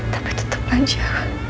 tapi tetap saja